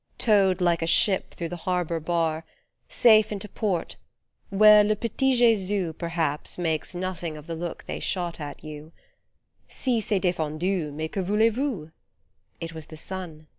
Towed like a ship through the harbour bar, Safe into port, where le petit Jtsus Perhaps makes nothing of the look they shot at you : Si, c'est dejendu, mats que voulez vous ? It was the sun.